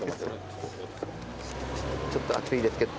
ちょっと熱いですけど。